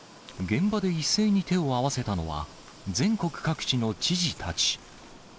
現場で一斉に手を合わせたのは、全国各地の知事たち。